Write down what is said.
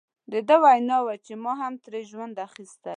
د ده وینا وه چې ما هم ترې ژوند اخیستی.